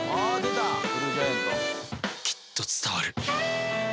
きっと伝わる